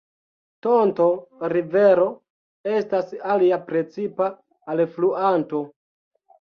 Tonto-Rivero estas alia precipa alfluanto.